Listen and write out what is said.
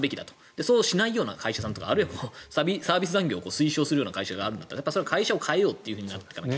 そうしないような会社さんとかあるいはサービス残業を推奨するような会社があるんだったらそれは会社を変えようとならないといけない。